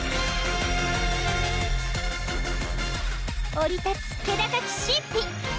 降り立つ気高き神秘！